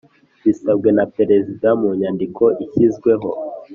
Bisabwe na Perezida mu nyandiko ishyizweho